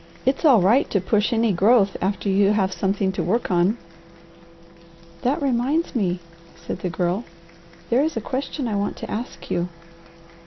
It's all right to push any growth after you have something to work on." "That reminds me," said the Girl, "there is a question I want to ask you."